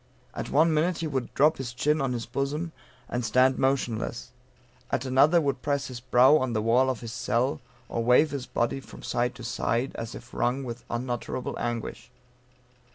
At one minute he would drop his chin on his bosom, and stand motionless; at another would press his brow to the wall of his cell, or wave his body from side to side, as if wrung with unutterable anguish.